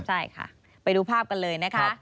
ใช่ค่ะไปดูภาพกันเลยนะคะ